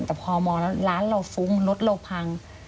แต่พอมองแล้วร้านเราฟุ้งรถเราพัง